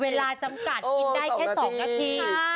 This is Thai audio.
เวลาจำกัดกินได้แค่๒นาที